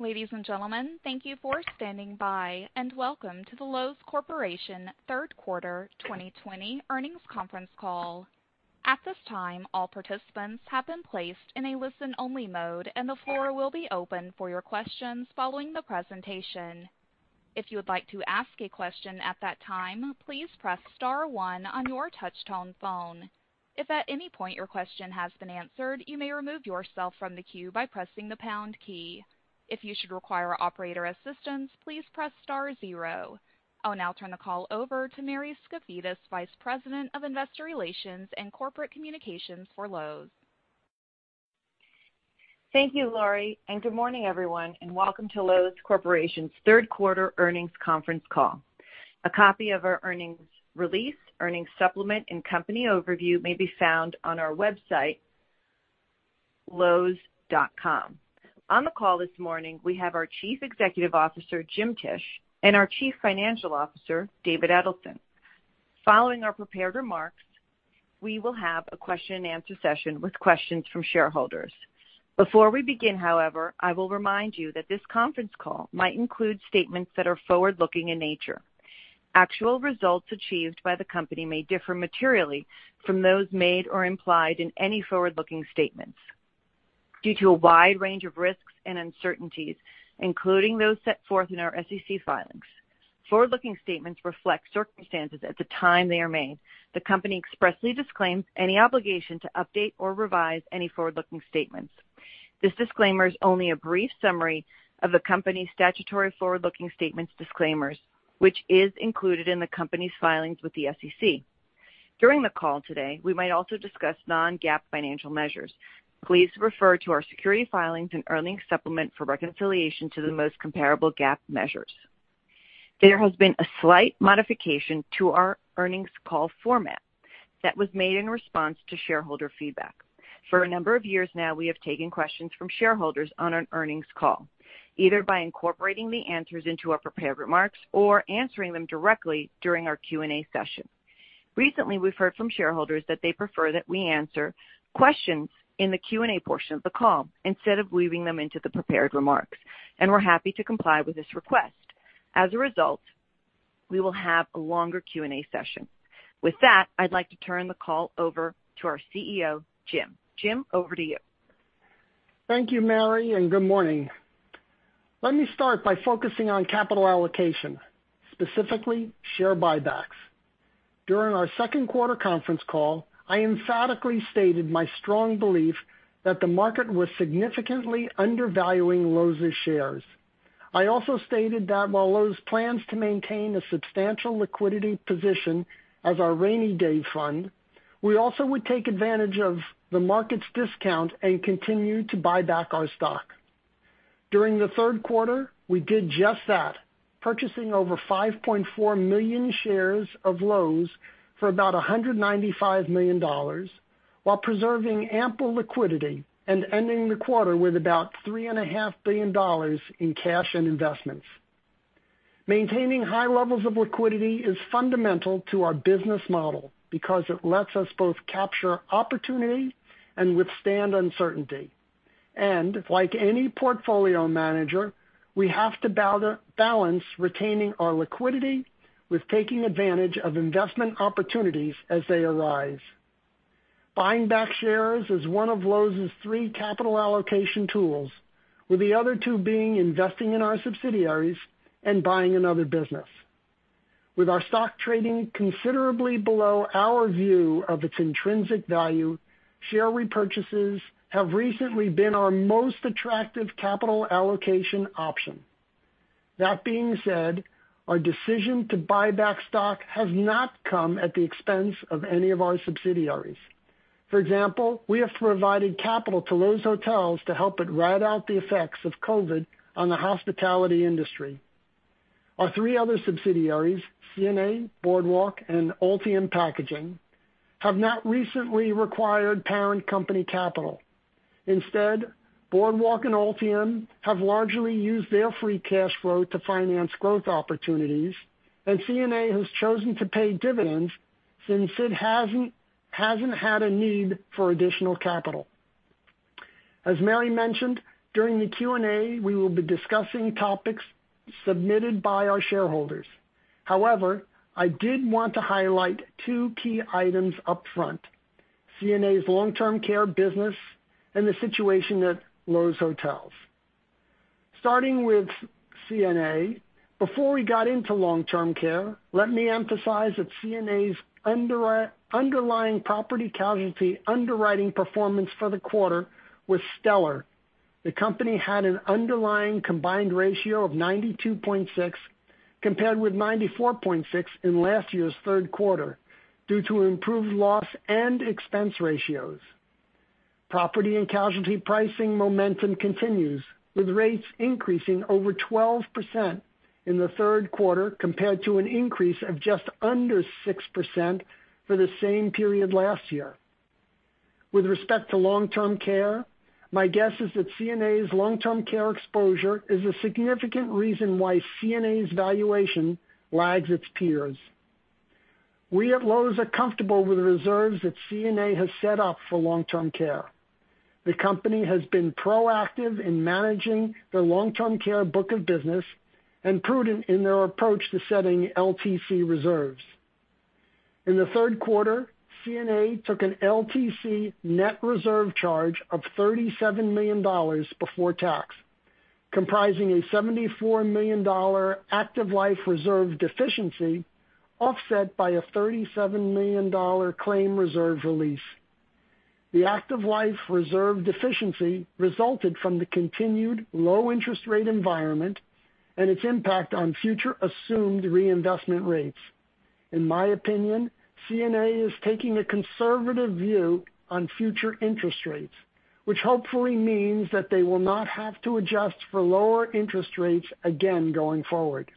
Ladies and gentlemen, thank you for standing by, and welcome to the Loews Corporation third quarter 2020 earnings conference call. At this time, all participants have been placed in a listen-only mode, and the floor will be open for your questions following the presentation. If you would like to ask a question at that time, please press star one on your touch-tone phone. If at any point your question has been answered, you may remove yourself from the queue by pressing the pound key. If you should require operator assistance, please press star zero. I will now turn the call over to Mary Skafidas, Vice President of Investor Relations and Corporate Communications for Loews. Thank you, Laurie. Good morning, everyone. Welcome to Loews Corporation's third-quarter earnings conference call. A copy of our earnings release, earnings supplement, and company overview may be found on our website, loews.com. On the call this morning, we have our Chief Executive Officer, James Tisch, and our Chief Financial Officer, David Edelson. Following our prepared remarks, we will have a question-and-answer session with questions from shareholders. Before we begin, however, I will remind you that this conference call might include statements that are forward-looking in nature. Actual results achieved by the company may differ materially from those made or implied in any forward-looking statements due to a wide range of risks and uncertainties, including those set forth in our SEC filings. Forward-looking statements reflect circumstances at the time they are made. The company expressly disclaims any obligation to update or revise any forward-looking statements. This disclaimer is only a brief summary of the company's statutory forward-looking statements disclaimers, which is included in the company's filings with the SEC. During the call today, we might also discuss non-GAAP financial measures. Please refer to our security filings and earnings supplement for reconciliation to the most comparable GAAP measures. There has been a slight modification to our earnings call format that was made in response to shareholder feedback. For a number of years now, we have taken questions from shareholders on an earnings call, either by incorporating the answers into our prepared remarks or answering them directly during our Q&A session. Recently, we've heard from shareholders that they prefer that we answer questions in the Q&A portion of the call instead of weaving them into the prepared remarks, and we're happy to comply with this request. As a result, we will have a longer Q&A session. With that, I'd like to turn the call over to our CEO, Jim. Jim, over to you. Thank you, Mary, and good morning. Let me start by focusing on capital allocation, specifically share buybacks. During our second quarter conference call, I emphatically stated my strong belief that the market was significantly undervaluing Loews' shares. I also stated that while Loews plans to maintain a substantial liquidity position as our rainy day fund, we also would take advantage of the market's discount and continue to buy back our stock. During the third quarter, we did just that, purchasing over 5.4 million shares of Loews for about $195 million while preserving ample liquidity and ending the quarter with about $3.5 billion in cash and investments. Maintaining high levels of liquidity is fundamental to our business model because it lets us both capture opportunity and withstand uncertainty. Like any portfolio manager, we have to balance retaining our liquidity with taking advantage of investment opportunities as they arise. Buying back shares is one of Loews' three capital allocation tools, with the other two being investing in our subsidiaries and buying another business. With our stock trading considerably below our view of its intrinsic value, share repurchases have recently been our most attractive capital allocation option. That being said, our decision to buy back stock has not come at the expense of any of our subsidiaries. For example, we have provided capital to Loews Hotels to help it ride out the effects of COVID on the hospitality industry. Our three other subsidiaries, CNA, Boardwalk, and Altium Packaging, have not recently required parent company capital. Instead, Boardwalk and Altium have largely used their free cash flow to finance growth opportunities, and CNA has chosen to pay dividends since it hasn't had a need for additional capital. As Mary mentioned, during the Q&A, we will be discussing topics submitted by our shareholders. However, I did want to highlight two key items up front: CNA's long-term care business and the situation at Loews Hotels. Starting with CNA, before we got into long-term care, let me emphasize that CNA's underlying property casualty underwriting performance for the quarter was stellar. The company had an underlying combined ratio of 92.6, compared with 94.6 in last year's third quarter, due to improved loss and expense ratios. Property and casualty pricing momentum continues, with rates increasing over 12% in the third quarter, compared to an increase of just under 6% for the same period last year. With respect to long-term care, my guess is that CNA's long-term care exposure is a significant reason why CNA's valuation lags its peers. We at Loews are comfortable with the reserves that CNA has set up for long-term care. The company has been proactive in managing their long-term care book of business and prudent in their approach to setting LTC reserves. In the third quarter, CNA took an LTC net reserve charge of $37 million before tax, comprising a $74 million active life reserve deficiency offset by a $37 million claim reserve release. The active life reserve deficiency resulted from the continued low-interest-rate environment and its impact on future assumed reinvestment rates. In my opinion, CNA is taking a conservative view on future interest rates, which hopefully means that they will not have to adjust for lower interest rates again going forward.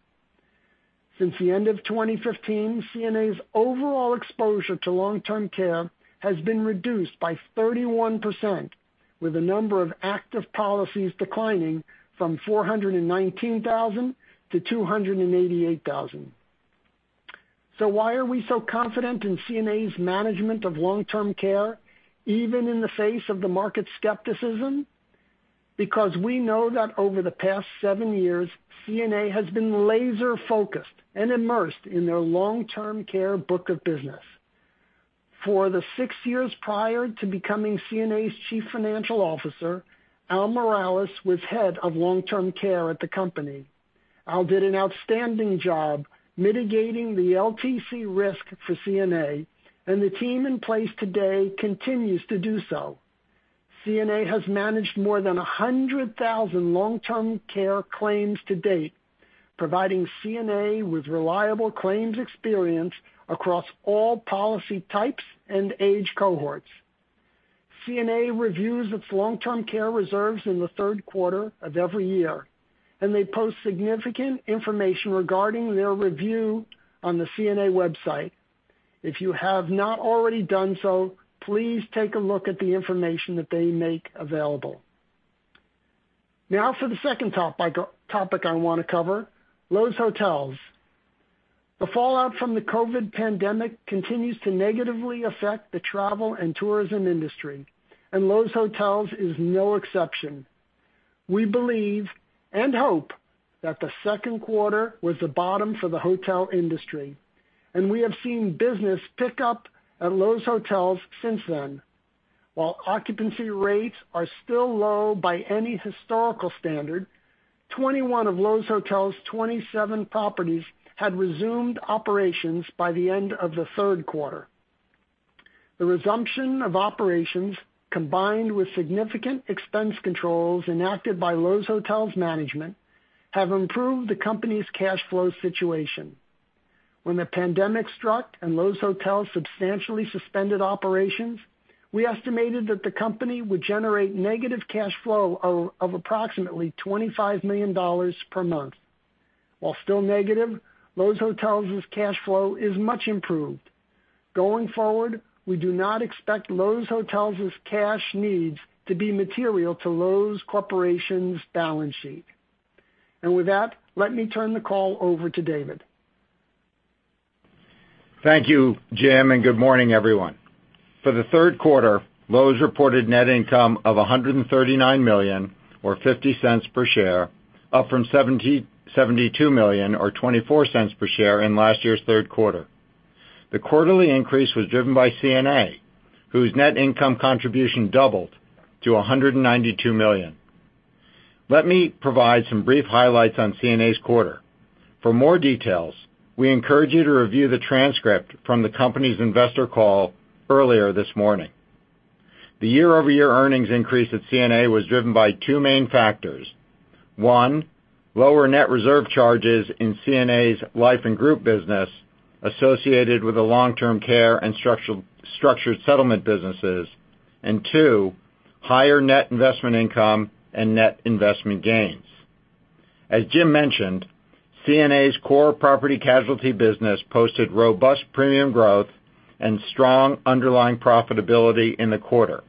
Since the end of 2015, CNA's overall exposure to long-term care has been reduced by 31%, with the number of active policies declining from 419,000 to 288,000. Why are we so confident in CNA's management of long-term care, even in the face of the market skepticism? We know that over the past seven years, CNA has been laser-focused and immersed in their long-term care book of business. For the six years prior to becoming CNA's Chief Financial Officer, Al Miralles was head of long-term care at the company. Al did an outstanding job mitigating the LTC risk for CNA. The team in place today continues to do so. CNA has managed more than 100,000 long-term care claims to date, providing CNA with reliable claims experience across all policy types and age cohorts. CNA reviews its long-term care reserves in the third quarter of every year. They post significant information regarding their review on the CNA website. If you have not already done so, please take a look at the information that they make available. For the second topic I want to cover, Loews Hotels. The fallout from the COVID pandemic continues to negatively affect the travel and tourism industry. Loews Hotels is no exception. We believe and hope that the second quarter was the bottom for the hotel industry. We have seen business pick up at Loews Hotels since then. While occupancy rates are still low by any historical standard, 21 of Loews Hotels' 27 properties had resumed operations by the end of the third quarter. The resumption of operations, combined with significant expense controls enacted by Loews Hotels' management, have improved the company's cash flow situation. When the pandemic struck and Loews Hotels substantially suspended operations, we estimated that the company would generate negative cash flow of approximately $25 million per month. While still negative, Loews Hotels' cash flow is much improved. Going forward, we do not expect Loews Hotels' cash needs to be material to Loews Corporation's balance sheet. With that, let me turn the call over to David. Thank you, Jim, and good morning, everyone. For the third quarter, Loews reported net income of $139 million, or $0.50 per share, up from $72 million or $0.24 per share in last year's third quarter. The quarterly increase was driven by CNA, whose net income contribution doubled to $192 million. Let me provide some brief highlights on CNA's quarter. For more details, we encourage you to review the transcript from the company's investor call earlier this morning. The year-over-year earnings increase at CNA was driven by two main factors. One, lower net reserve charges in CNA's life and group business associated with the long-term care and structured settlement businesses. Two, higher net investment income and net investment gains. As Jim mentioned, CNA's core property casualty business posted robust premium growth and strong underlying profitability in the quarter.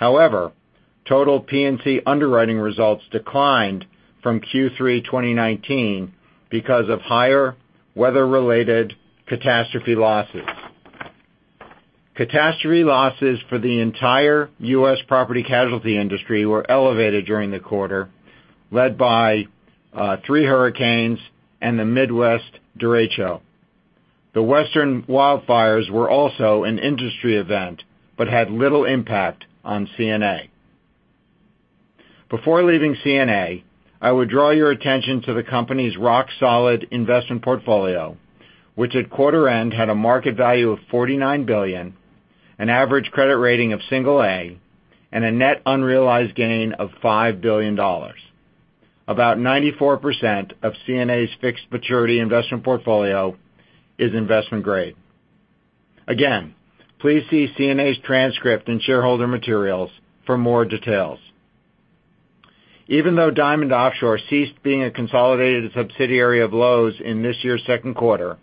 Total P&C underwriting results declined from Q3 2019 because of higher weather-related catastrophe losses. Catastrophe losses for the entire U.S. property casualty industry were elevated during the quarter, led by three hurricanes and the Midwest derecho. The western wildfires were also an industry event, but had little impact on CNA. Before leaving CNA, I would draw your attention to the company's rock-solid investment portfolio, which at quarter end had a market value of $49 billion, an average credit rating of single A, and a net unrealized gain of $5 billion. About 94% of CNA's fixed maturity investment portfolio is investment-grade. Please see CNA's transcript and shareholder materials for more details. Even though Diamond Offshore ceased being a consolidated subsidiary of Loews in this year's second quarter,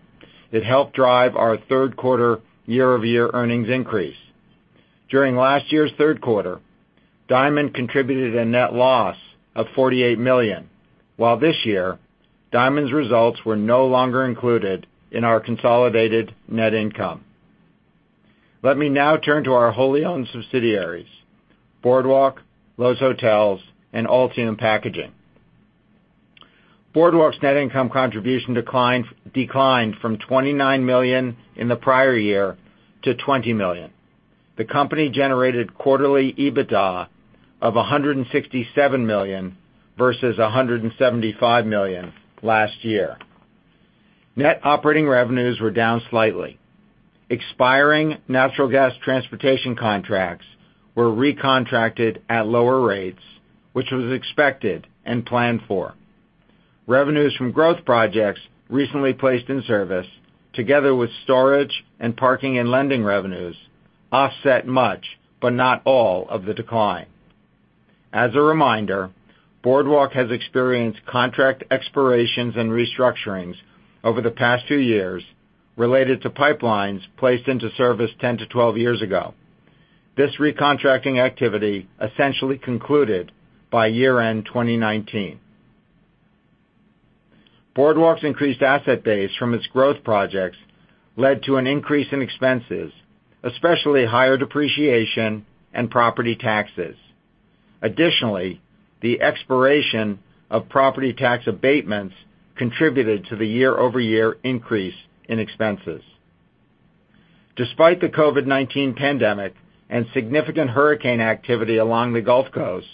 it helped drive our third-quarter year-over-year earnings increase. During last year's third quarter, Diamond contributed a net loss of $48 million, while this year, Diamond's results were no longer included in our consolidated net income. Let me now turn to our wholly owned subsidiaries, Boardwalk, Loews Hotels, and Altium Packaging. Boardwalk's net income contribution declined from $29 million in the prior year to $20 million. The company generated quarterly EBITDA of $167 million versus $175 million last year. Net operating revenues were down slightly. Expiring natural gas transportation contracts were recontracted at lower rates, which was expected and planned for. Revenues from growth projects recently placed in service, together with storage and parking and lending revenues, offset much, but not all, of the decline. As a reminder, Boardwalk has experienced contract expirations and restructurings over the past two years related to pipelines placed into service 10 to 12 years ago. This recontracting activity essentially concluded by year-end 2019. Boardwalk's increased asset base from its growth projects led to an increase in expenses, especially higher depreciation and property taxes. Additionally, the expiration of property tax abatements contributed to the year-over-year increase in expenses. Despite the COVID-19 pandemic and significant hurricane activity along the Gulf Coast,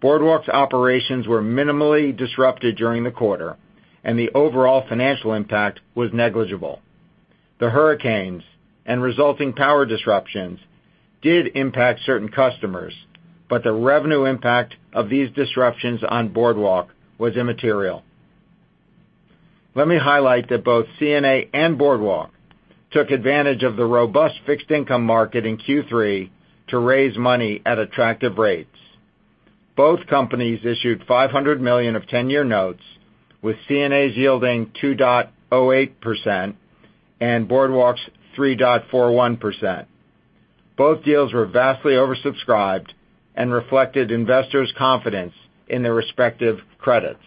Boardwalk's operations were minimally disrupted during the quarter, and the overall financial impact was negligible. The hurricanes and resulting power disruptions did impact certain customers, but the revenue impact of these disruptions on Boardwalk was immaterial. Let me highlight that both CNA and Boardwalk took advantage of the robust fixed income market in Q3 to raise money at attractive rates. Both companies issued $500 million of 10-year notes, with CNA's yielding 2.08% and Boardwalk's 3.41%. Both deals were vastly oversubscribed and reflected investors' confidence in their respective credits.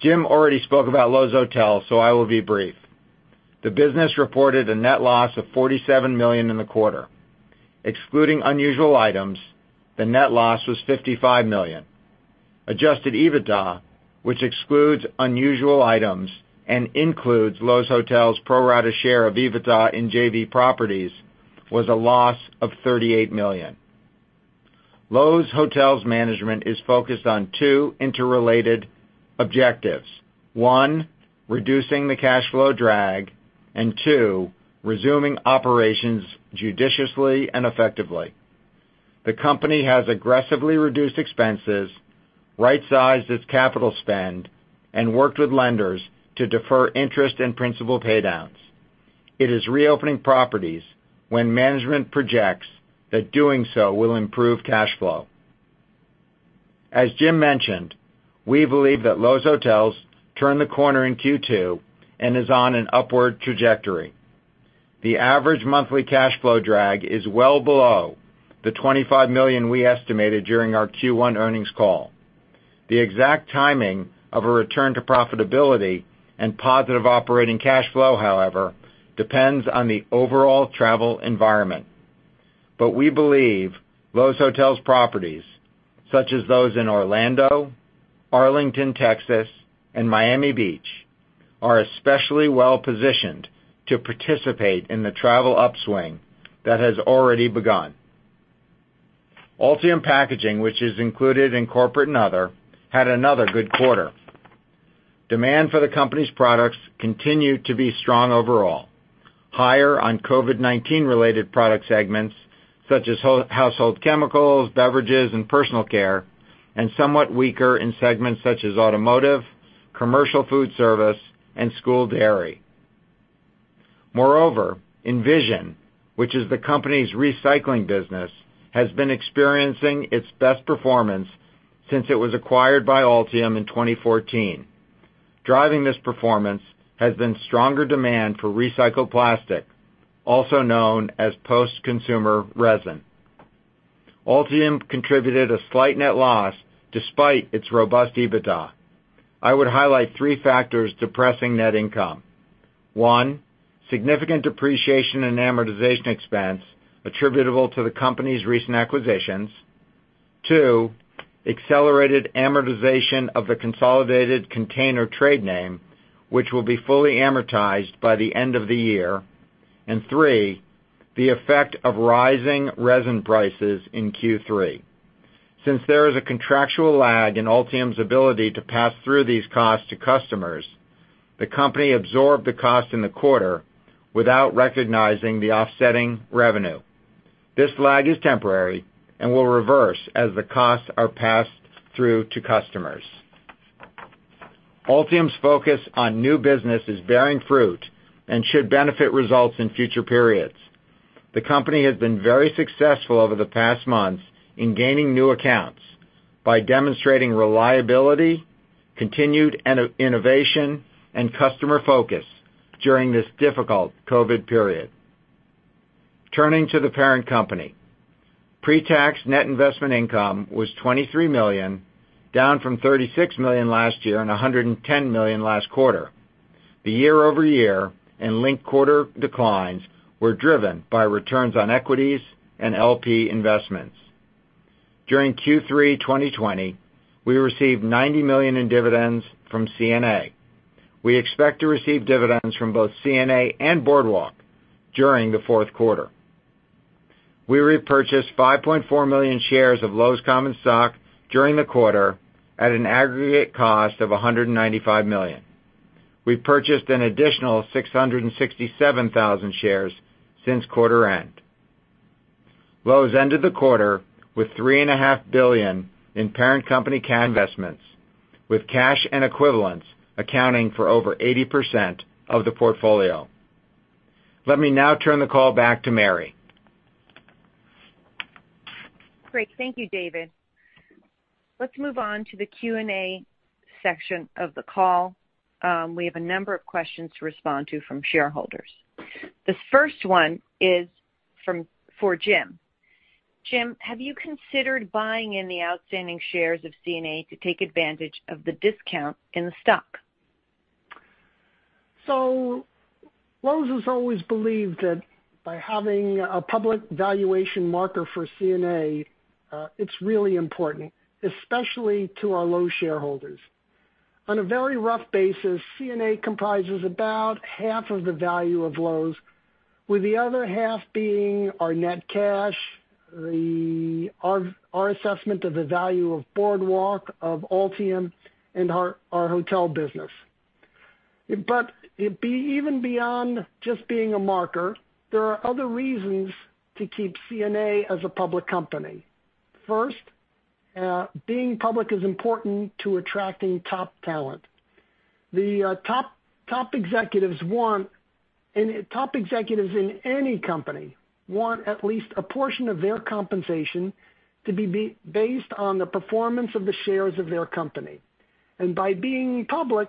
Jim already spoke about Loews Hotels, so I will be brief. The business reported a net loss of $47 million in the quarter. Excluding unusual items, the net loss was $55 million. Adjusted EBITDA, which excludes unusual items and includes Loews Hotels' pro rata share of EBITDA in JV properties, was a loss of $38 million. Loews Hotels' management is focused on two interrelated objectives. One, reducing the cash flow drag, and two, resuming operations judiciously and effectively. The company has aggressively reduced expenses, right-sized its capital spend, and worked with lenders to defer interest and principal paydowns. It is reopening properties when management projects that doing so will improve cash flow. As Jim mentioned, we believe that Loews Hotels turned the corner in Q2 and is on an upward trajectory. The average monthly cash flow drag is well below the $25 million we estimated during our Q1 earnings call. The exact timing of a return to profitability and positive operating cash flow, however, depends on the overall travel environment. We believe Loews Hotels' properties, such as those in Orlando, Arlington, Texas, and Miami Beach, are especially well-positioned to participate in the travel upswing that has already begun. Altium Packaging, which is included in corporate and other, had another good quarter. Demand for the company's products continued to be strong overall, higher on COVID-19-related product segments such as household chemicals, beverages, and personal care, and somewhat weaker in segments such as automotive, commercial food service, and school dairy. Moreover, Envision, which is the company's recycling business, has been experiencing its best performance since it was acquired by Altium in 2014. Driving this performance has been stronger demand for recycled plastic, also known as post-consumer resin. Altium contributed a slight net loss despite its robust EBITDA. I would highlight three factors depressing net income. One, significant depreciation and amortization expense attributable to the company's recent acquisitions. Two, accelerated amortization of the Consolidated Container trade name, which will be fully amortized by the end of the year. Three, the effect of rising resin prices in Q3. Since there is a contractual lag in Altium's ability to pass through these costs to customers, the company absorbed the cost in the quarter without recognizing the offsetting revenue. This lag is temporary and will reverse as the costs are passed through to customers. Altium's focus on new business is bearing fruit and should benefit results in future periods. The company has been very successful over the past months in gaining new accounts by demonstrating reliability, continued innovation, and customer focus during this difficult COVID period. Turning to the parent company. Pre-tax net investment income was $23 million, down from $36 million last year and $110 million last quarter. The year-over-year and linked quarter declines were driven by returns on equities and LP investments. During Q3 2020, we received $90 million in dividends from CNA. We expect to receive dividends from both CNA and Boardwalk during the fourth quarter. We repurchased 5.4 million shares of Loews' common stock during the quarter at an aggregate cost of $195 million. We purchased an additional 667,000 shares since quarter-end. Loews ended the quarter with $3.5 billion in parent company investments, with cash and equivalents accounting for over 80% of the portfolio. Let me now turn the call back to Mary. Great. Thank you, David. Let's move on to the Q&A section of the call. We have a number of questions to respond to from shareholders. The first one is for Jim. Jim, have you considered buying in the outstanding shares of CNA to take advantage of the discount in the stock? Loews has always believed that by having a public valuation marker for CNA, it's really important, especially to our Loews shareholders. On a very rough basis, CNA comprises about half of the value of Loews, with the other half being our net cash, our assessment of the value of Boardwalk, of Altium, and our hotel business. Even beyond just being a marker, there are other reasons to keep CNA as a public company. First, being public is important to attracting top talent. Top executives in any company want at least a portion of their compensation to be based on the performance of the shares of their company. By being public,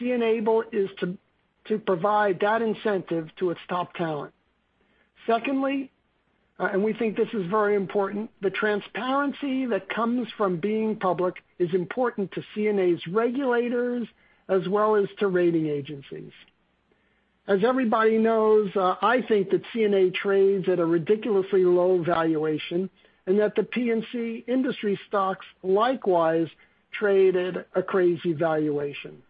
CNA is to provide that incentive to its top talent. Secondly, and we think this is very important, the transparency that comes from being public is important to CNA's regulators as well as to rating agencies. As everybody knows, I think that CNA trades at a ridiculously low valuation, and that the P&C industry stocks likewise traded a crazy valuation.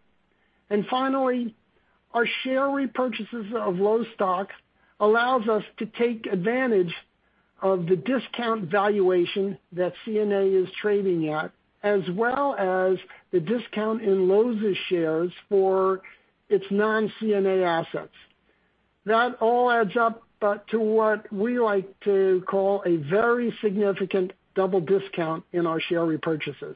Finally, our share repurchases of Loews stock allows us to take advantage of the discount valuation that CNA is trading at, as well as the discount in Loews' shares for its non-CNA assets. That all adds up to what we like to call a very significant double discount in our share repurchases.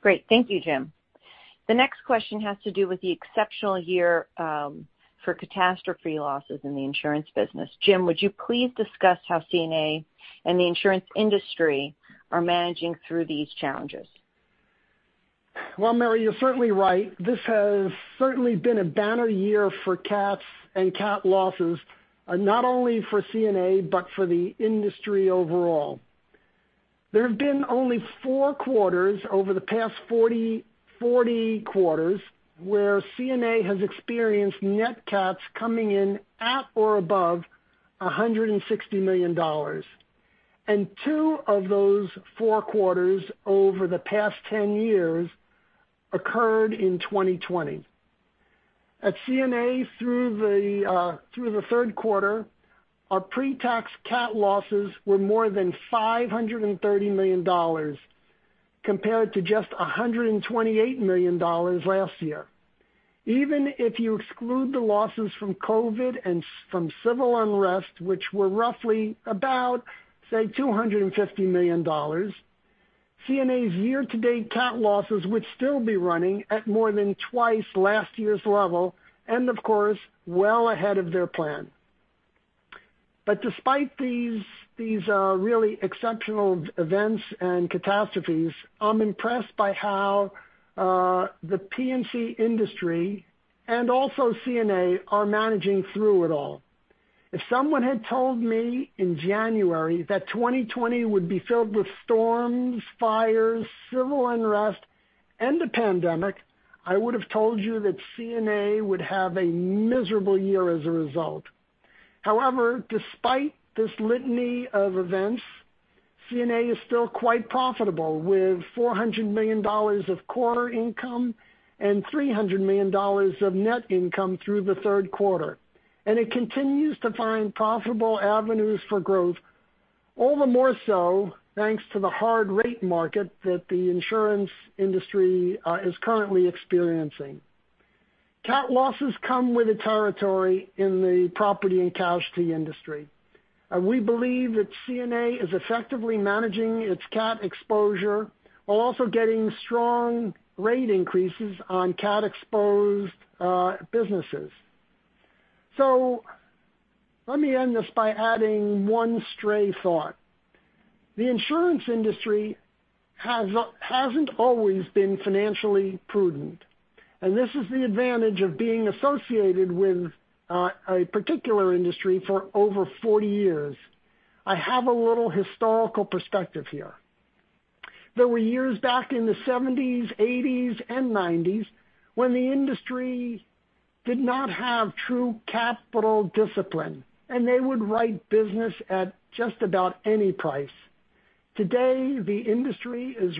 Great. Thank you, Jim. The next question has to do with the exceptional year for catastrophe losses in the insurance business. Jim, would you please discuss how CNA and the insurance industry are managing through these challenges? Well, Mary, you're certainly right. This has certainly been a banner year for cats and cat losses, not only for CNA but for the industry overall. There have been only four quarters over the past 40 quarters where CNA has experienced net cats coming in at or above $160 million. Two of those four quarters over the past ten years occurred in 2020. At CNA through the third quarter, our pre-tax cat losses were more than $530 million compared to just $128 million last year. Even if you exclude the losses from COVID and from civil unrest, which were roughly about, say, $250 million, CNA's year-to-date cat losses would still be running at more than twice last year's level and, of course, well ahead of their plan. Despite these really exceptional events and catastrophes, I'm impressed by how the P&C industry and also CNA are managing through it all. If someone had told me in January that 2020 would be filled with storms, fires, civil unrest, and a pandemic, I would have told you that CNA would have a miserable year as a result. However, despite this litany of events, CNA is still quite profitable with $400 million of quarter income and $300 million of net income through the third quarter, and it continues to find profitable avenues for growth, all the more so thanks to the hard rate market that the insurance industry is currently experiencing. Cat losses come with the territory in the property and casualty industry. We believe that CNA is effectively managing its cat exposure while also getting strong rate increases on cat-exposed businesses. Let me end this by adding one stray thought. The insurance industry hasn't always been financially prudent, and this is the advantage of being associated with a particular industry for over 40 years. I have a little historical perspective here. There were years back in the 1970s, 1980s, and 1990s when the industry did not have true capital discipline, and they would write business at just about any price. Today, the industry is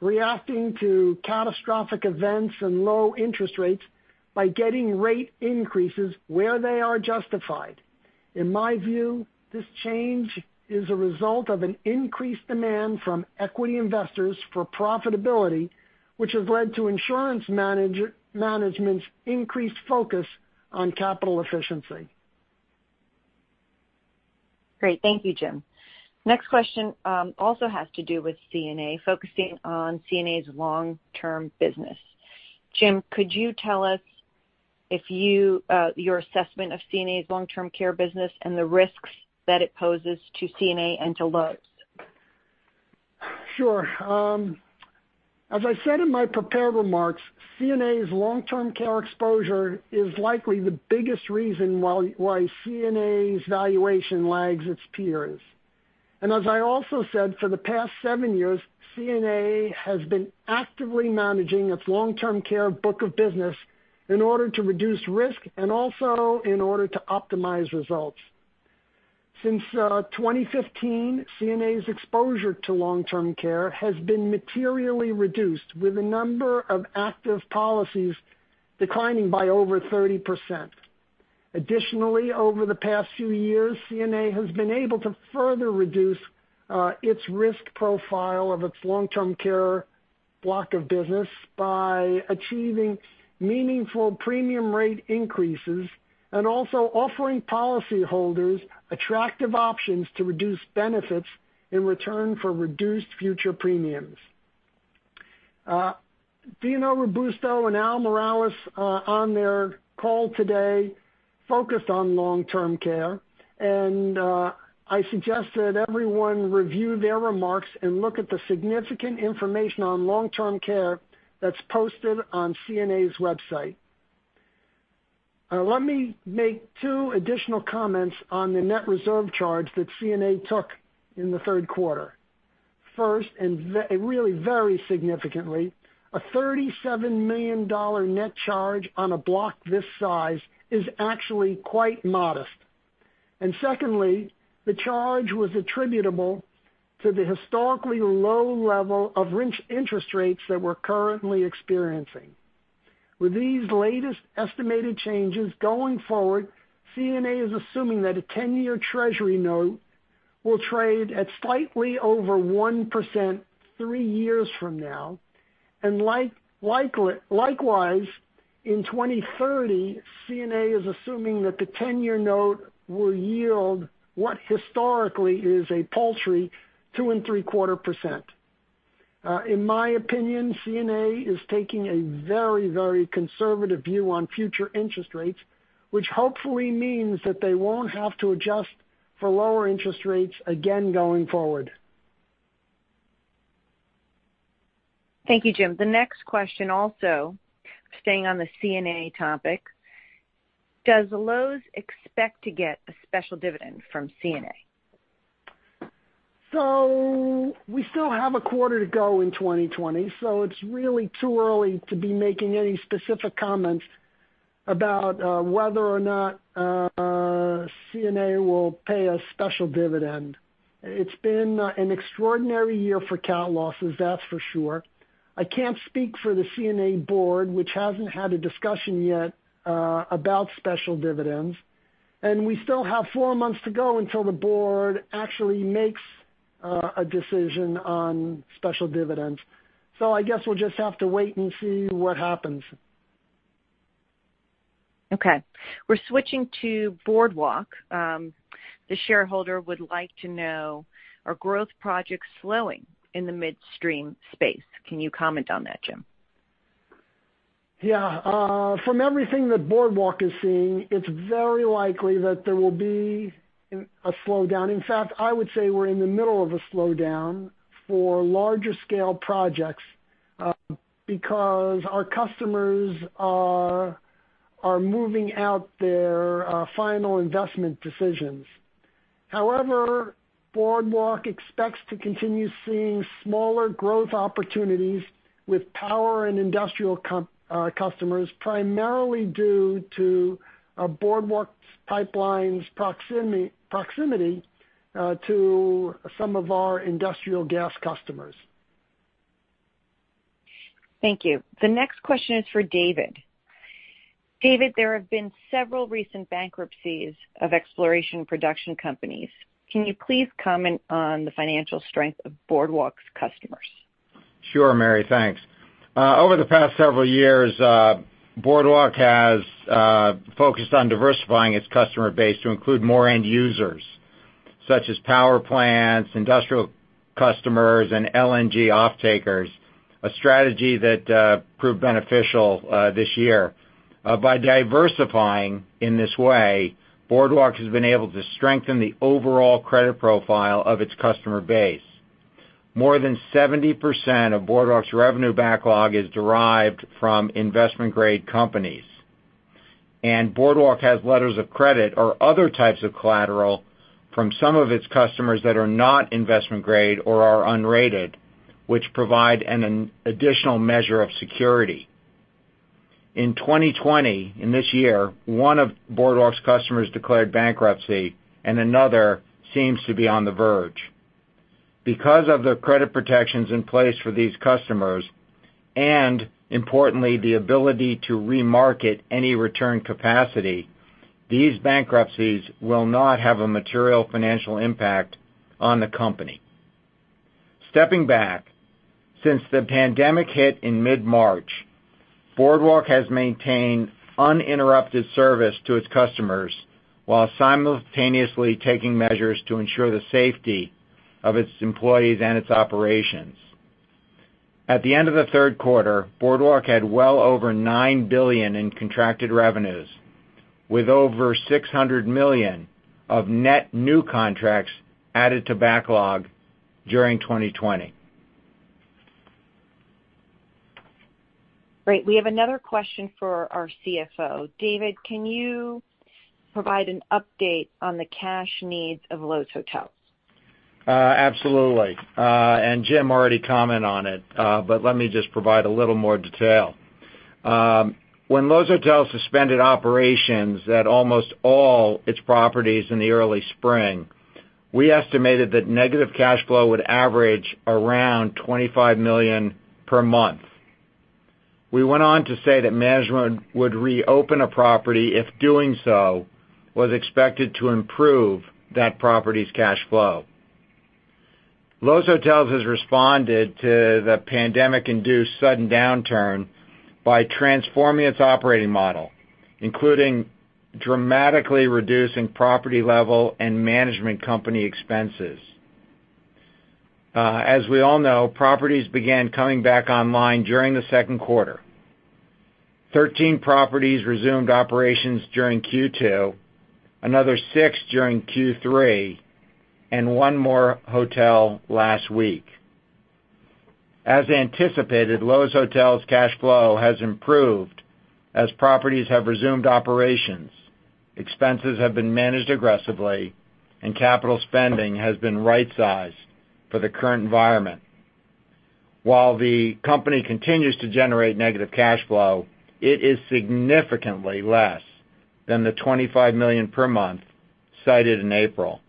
reacting to catastrophic events and low interest rates by getting rate increases where they are justified. In my view, this change is a result of an increased demand from equity investors for profitability, which has led to insurance management's increased focus on capital efficiency. Great. Thank you, Jim. Next question also has to do with CNA, focusing on CNA's long-term business. Jim, could you tell us your assessment of CNA's long-term care business and the risks that it poses to CNA and to Loews? Sure. As I said in my prepared remarks, CNA's long-term care exposure is likely the biggest reason why CNA's valuation lags its peers. As I also said, for the past seven years, CNA has been actively managing its long-term care book of business in order to reduce risk and also in order to optimize results. Since 2015, CNA's exposure to long-term care has been materially reduced, with the number of active policies declining by over 30%. Over the past few years, CNA has been able to further reduce its risk profile of its long-term care block of business by achieving meaningful premium rate increases and also offering policyholders attractive options to reduce benefits in return for reduced future premiums. Dino Robusto and Al Miralles, on their call today, focused on long-term care. I suggest that everyone review their remarks and look at the significant information on long-term care that's posted on CNA's website. Let me make two additional comments on the net reserve charge that CNA took in the third quarter. First, really very significantly, a $37 million net charge on a block this size is actually quite modest. Secondly, the charge was attributable to the historically low level of interest rates that we're currently experiencing. With these latest estimated changes going forward, CNA is assuming that a 10-year Treasury note will trade at slightly over 1% three years from now. Likewise, in 2030, CNA is assuming that the 10-year note will yield what historically is a paltry 2.75%. In my opinion, CNA is taking a very conservative view on future interest rates, which hopefully means that they won't have to adjust for lower interest rates again going forward. Thank you, Jim. The next question also staying on the CNA topic. Does Loews expect to get a special dividend from CNA? We still have a quarter to go in 2020, it's really too early to be making any specific comments about whether or not CNA will pay a special dividend. It's been an extraordinary year for cat losses, that's for sure. I can't speak for the CNA board, which hasn't had a discussion yet about special dividends, we still have four months to go until the board actually makes a decision on special dividends. I guess we'll just have to wait and see what happens. Okay. We're switching to Boardwalk. The shareholder would like to know, are growth projects slowing in the midstream space? Can you comment on that, Jim? Yeah. From everything that Boardwalk is seeing, it's very likely that there will be a slowdown. In fact, I would say we're in the middle of a slowdown for larger-scale projects because our customers are moving out their final investment decisions. However, Boardwalk expects to continue seeing smaller growth opportunities with power and industrial customers, primarily due to Boardwalk Pipelines' proximity to some of our industrial gas customers. Thank you. The next question is for David. David, there have been several recent bankruptcies of exploration production companies. Can you please comment on the financial strength of Boardwalk's customers? Sure, Mary. Thanks. Over the past several years, Boardwalk has focused on diversifying its customer base to include more end users, such as power plants, industrial customers, and LNG offtakers, a strategy that proved beneficial this year. By diversifying in this way, Boardwalk has been able to strengthen the overall credit profile of its customer base. More than 70% of Boardwalk's revenue backlog is derived from investment-grade companies. Boardwalk has letters of credit or other types of collateral from some of its customers that are not investment grade or are unrated, which provide an additional measure of security. In 2020, in this year, one of Boardwalk's customers declared bankruptcy, and another seems to be on the verge. Because of the credit protections in place for these customers, and importantly, the ability to remarket any returned capacity, these bankruptcies will not have a material financial impact on the company. Stepping back, since the pandemic hit in mid-March, Boardwalk has maintained uninterrupted service to its customers while simultaneously taking measures to ensure the safety of its employees and its operations. At the end of the third quarter, Boardwalk had well over $9 billion in contracted revenues, with over $600 million of net new contracts added to backlog during 2020. Great. We have another question for our CFO. David, can you provide an update on the cash needs of Loews Hotels? Absolutely. Jim already commented on it, but let me just provide a little more detail. When Loews Hotels suspended operations at almost all its properties in the early spring, we estimated that negative cash flow would average around $25 million per month. We went on to say that management would reopen a property if doing so was expected to improve that property's cash flow. Loews Hotels has responded to the pandemic-induced sudden downturn by transforming its operating model, including dramatically reducing property-level and management company expenses. As we all know, properties began coming back online during the second quarter. 13 properties resumed operations during Q2, another six during Q3, and one more hotel last week. As anticipated, Loews Hotels' cash flow has improved as properties have resumed operations, expenses have been managed aggressively, and capital spending has been right-sized for the current environment. While the company continues to generate negative cash flow, it is significantly less than the $25 million per month cited in April.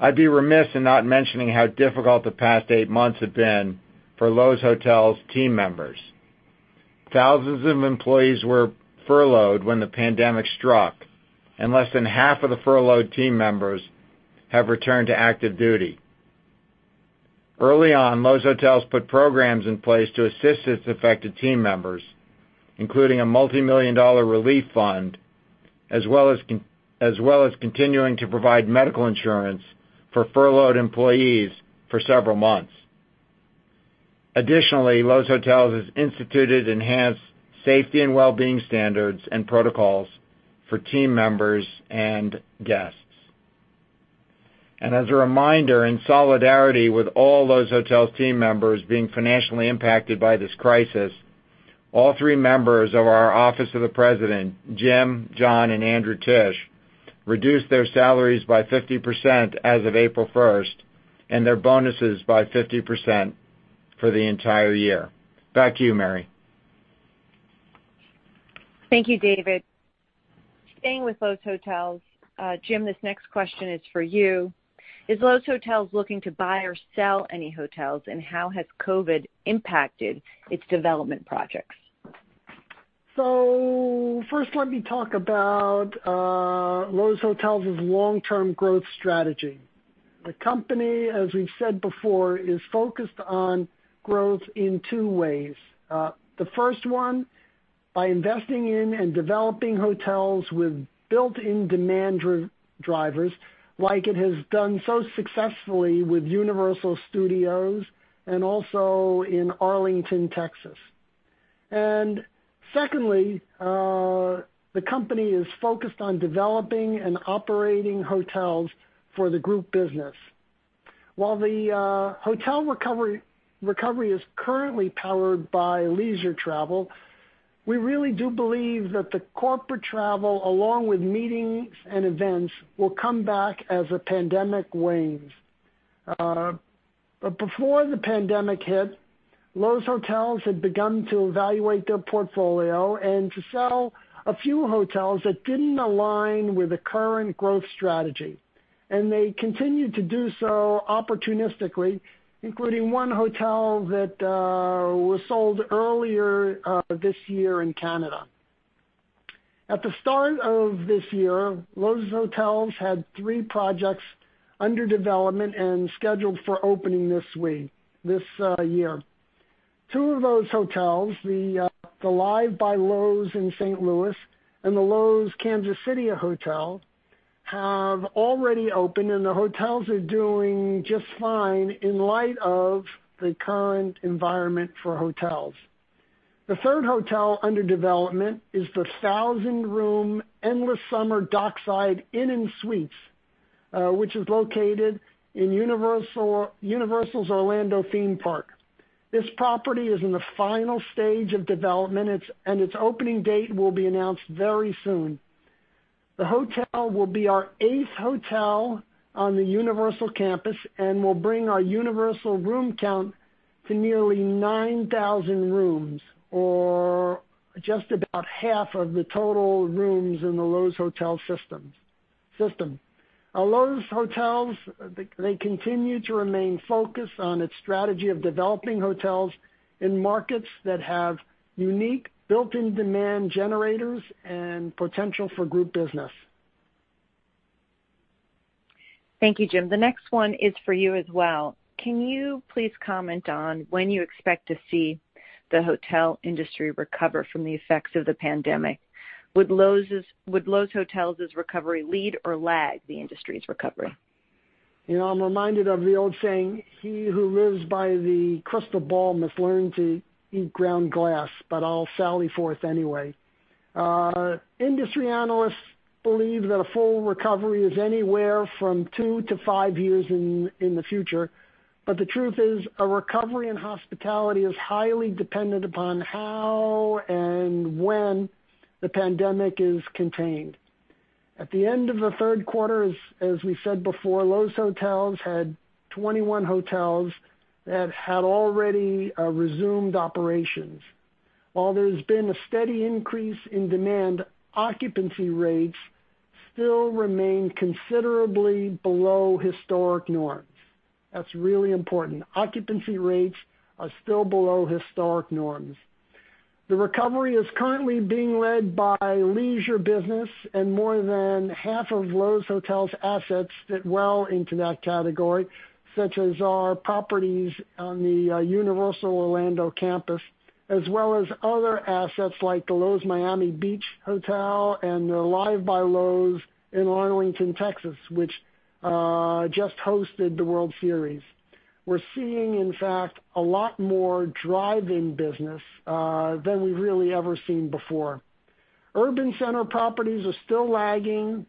I'd be remiss in not mentioning how difficult the past eight months have been for Loews Hotels' team members. Thousands of employees were furloughed when the pandemic struck, and less than half of the furloughed team members have returned to active duty. Early on, Loews Hotels put programs in place to assist its affected team members, including a multimillion-dollar relief fund, as well as continuing to provide medical insurance for furloughed employees for several months. Additionally, Loews Hotels has instituted enhanced safety and well-being standards and protocols for team members and guests. As a reminder, in solidarity with all Loews Hotels team members being financially impacted by this crisis, all three members of our office of the president, Jim, John, and Andrew Tisch, reduced their salaries by 50% as of April 1st and their bonuses by 50% for the entire year. Back to you, Mary. Thank you, David. Staying with Loews Hotels, Jim, this next question is for you. Is Loews Hotels looking to buy or sell any hotels, and how has COVID impacted its development projects? First, let me talk about Loews Hotels' long-term growth strategy. The company, as we've said before, is focused on growth in two ways. The first one, by investing in and developing hotels with built-in demand drivers, like it has done so successfully with Universal Studios, and also in Arlington, Texas. Secondly, the company is focused on developing and operating hotels for the group business. While the hotel recovery is currently powered by leisure travel, we really do believe that the corporate travel, along with meetings and events, will come back as the pandemic wanes. Before the pandemic hit, Loews Hotels had begun to evaluate their portfolio and to sell a few hotels that didn't align with the current growth strategy. They continued to do so opportunistically, including one hotel that was sold earlier this year in Canada. At the start of this year, Loews Hotels had three projects under development and scheduled for opening this year. Two of those hotels, the Live by Loews in St. Louis and the Loews Kansas City Hotel, have already opened, and the hotels are doing just fine in light of the current environment for hotels. The third hotel under development is the thousand-room Endless Summer Dockside Inn & Suites, which is located in Universal's Orlando theme park. This property is in the final stage of development, and its opening date will be announced very soon. The hotel will be our eighth hotel on the Universal campus and will bring our Universal room count to nearly 9,000 rooms, or just about half of the total rooms in the Loews Hotel system. At Loews Hotels, they continue to remain focused on its strategy of developing hotels in markets that have unique built-in demand generators and potential for group business. Thank you, Jim. The next one is for you as well. Can you please comment on when you expect to see the hotel industry recover from the effects of the pandemic? Would Loews Hotels' recovery lead or lag the industry's recovery? I'm reminded of the old saying, "He who lives by the crystal ball must learn to eat ground glass," but I'll sally forth anyway. Industry analysts believe that a full recovery is anywhere from two to five years in the future, but the truth is, a recovery in hospitality is highly dependent upon how and when the pandemic is contained. At the end of the third quarter, as we said before, Loews Hotels had 21 hotels that had already resumed operations. While there's been a steady increase in demand, occupancy rates still remain considerably below historic norms. That's really important. Occupancy rates are still below historic norms. The recovery is currently being led by leisure business, and more than half of Loews Hotels' assets fit well into that category, such as our properties on the Universal Orlando campus, as well as other assets like the Loews Miami Beach Hotel and the Live! by Loews in Arlington, Texas, which just hosted the World Series. We're seeing, in fact, a lot more drive-in business than we've really ever seen before. Urban center properties are still lagging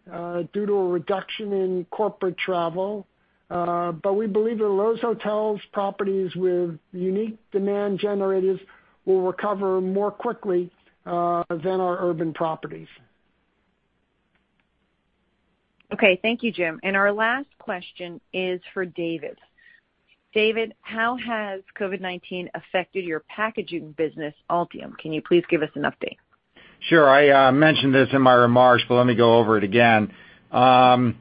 due to a reduction in corporate travel. We believe that Loews Hotels properties with unique demand generators will recover more quickly than our urban properties. Okay. Thank you, Jim. Our last question is for David. David, how has COVID-19 affected your packaging business, Altium? Can you please give us an update? Sure. I mentioned this in my remarks, but let me go over it again. Demand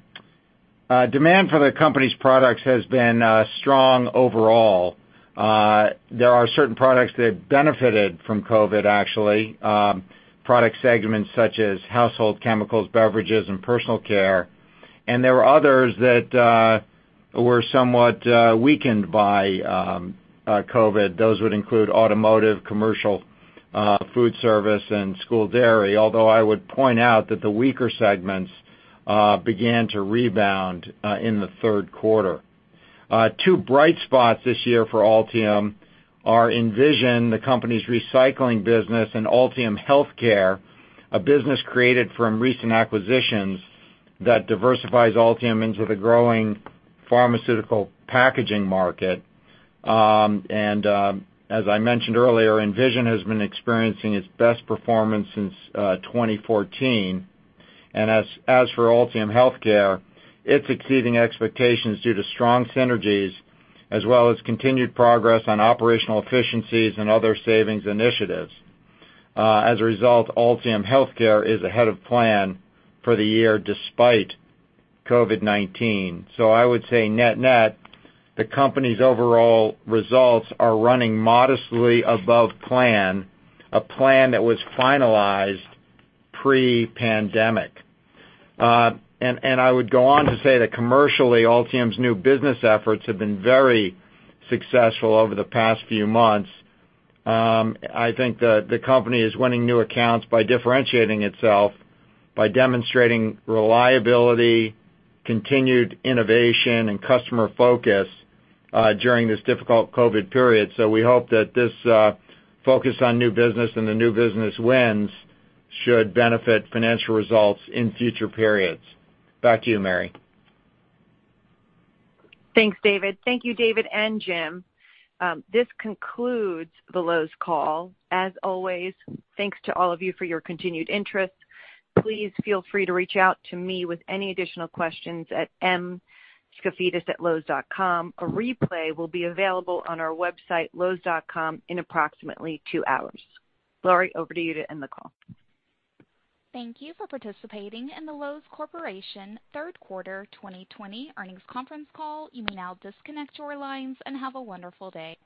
for the company's products has been strong overall. There are certain products that benefited from COVID, actually. Product segments such as household chemicals, beverages, and personal care. There were others that were somewhat weakened by COVID. Those would include automotive, commercial, food service, and school dairy. Although I would point out that the weaker segments began to rebound in the third quarter. Two bright spots this year for Altium are Envision, the company's recycling business, and Altium Healthcare, a business created from recent acquisitions that diversifies Altium into the growing pharmaceutical packaging market. As I mentioned earlier, Envision has been experiencing its best performance since 2014. As for Altium Healthcare, it's exceeding expectations due to strong synergies as well as continued progress on operational efficiencies and other savings initiatives. As a result, Altium Healthcare is ahead of plan for the year despite COVID-19. I would say net-net, the company's overall results are running modestly above plan, a plan that was finalized pre-pandemic. I would go on to say that commercially, Altium's new business efforts have been very successful over the past few months. I think the company is winning new accounts by differentiating itself by demonstrating reliability, continued innovation, and customer focus during this difficult COVID period. We hope that this focus on new business and the new business wins should benefit financial results in future periods. Back to you, Mary Thanks, David. Thank you, David and Jim. This concludes the Loews call. As always, thanks to all of you for your continued interest. Please feel free to reach out to me with any additional questions at mskafidas@loews.com. A replay will be available on our website, loews.com, in approximately two hours. Laurie, over to you to end the call. Thank you for participating in the Loews Corporation third-quarter 2020 earnings conference call. You may now disconnect your lines and have a wonderful day.